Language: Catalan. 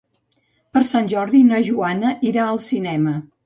Per Sant Jordi na Joana irà al cinema.